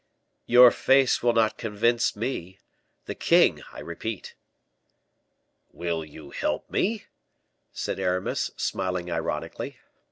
"Your face will not convince me; the king, I repeat." "Will you help me?" said Aramis, smiling ironically.